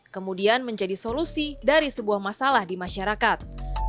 kemudian menjadi solusi dari sebuah masalah di masyarakat